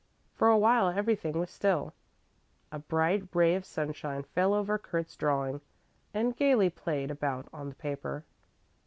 For awhile everything was still. A bright ray of sunshine fell over Kurt's drawing and gaily played about on the paper.